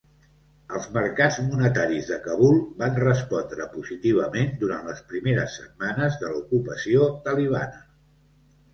Els mercats monetaris de Kabul van respondre positivament durant les primeres setmanes de l'ocupació talibana.